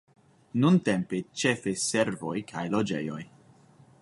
Nuntempe ĉefe servoj kaj loĝejoj.